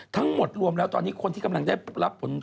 ทั้งหมดรวมแล้วตอนนี้คนที่กำลังได้รับผล